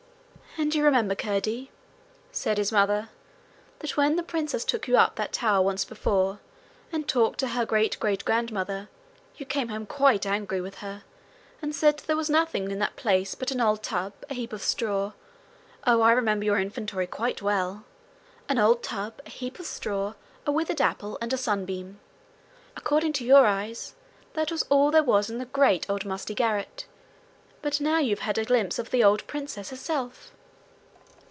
'And you remember, Curdie,' said his mother, 'that when the princess took you up that tower once before, and there talked to her great great grandmother, you came home quite angry with her, and said there was nothing in the place but an old tub, a heap of straw oh, I remember your inventory quite well! an old tub, a heap of straw, a withered apple, and a sunbeam. According to your eyes, that was all there was in the great, old, musty garret. But now you have had a glimpse of the old princess herself!'